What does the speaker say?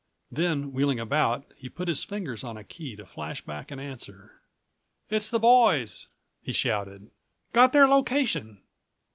Then, wheeling about, he put his fingers on a key to flash back an answer. "It's the boys," he shouted. "Got their location.